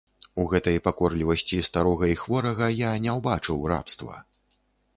У гэтай пакорлівасці старога і хворага я не ўбачыў рабства.